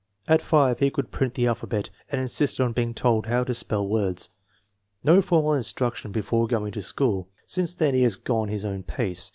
At 5 he could print the alphabet, and insisted on being told how to spell words." No formal instruction before going to school. Since then he has gone his own pace.